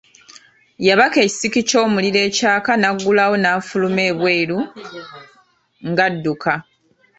Yabaka ekisiki ky'omuliro ekyaka n'aggulawo n'afuluma ebweru ng'adduka.